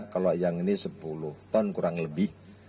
kalau yang ini sepuluh ton kurang lebih